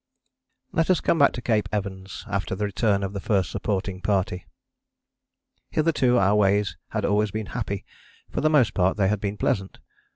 Let us come back to Cape Evans after the return of the First Supporting Party. Hitherto our ways had always been happy: for the most part they had been pleasant.